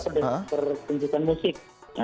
karena kita sudah berpuncukan musik